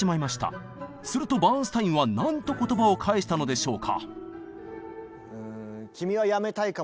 するとバーンスタインは何と言葉を返したのでしょうか？